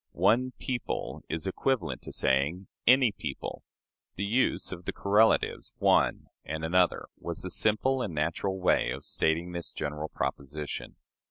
"One people" is equivalent to saying "any people." The use of the correlatives "one" and "another" was the simple and natural way of stating this general proposition.